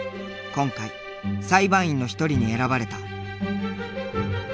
今回裁判員の一人に選ばれた。